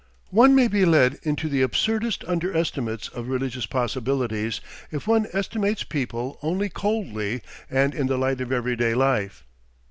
One may be led into the absurdest underestimates of religious possibilities if one estimates people only coldly and in the light of everyday life.